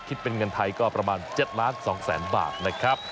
คิดเป็นเงินไทยก็ประมาณ๗ล้าน๒แสนบาทนะครับ